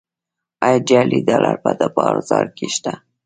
آیا جعلي ډالر په بازار کې شته؟